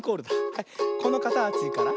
はいこのかたちから。